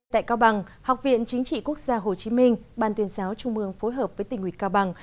tại cao bằng học viện chính trị quốc gia hồ chí minh ban tuyên giáo trung mương phối hợp với tỉnh nguyệt cao bằng